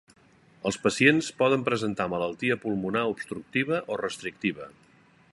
Els pacients poden presentar malaltia pulmonar obstructiva o restrictiva.